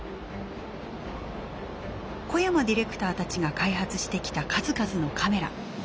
小山ディレクターたちが開発してきた数々のカメラ。